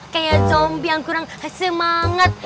kayak combi yang kurang semangat